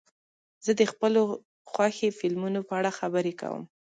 زه د خپلو خوښې فلمونو په اړه خبرې کوم.